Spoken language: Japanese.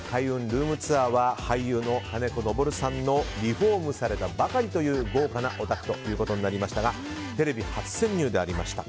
ルームツアー！は俳優の金子昇さんのリフォームされたばかりという豪華なお宅となりましたがテレビ初潜入でありました。